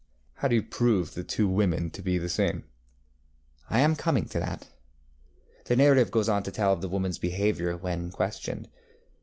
How do you prove the two women to be the same? ŌĆØ ŌĆ£I am coming to that. The narrative goes on to tell of the womanŌĆÖs behaviour when questioned.